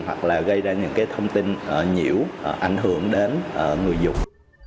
hoặc là gây ra những cái thông tin nhiễu ảnh hưởng đến người dùng